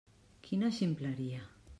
Quina ximpleria!